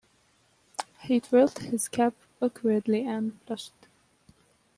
He twirled his cap awkwardly and blushed.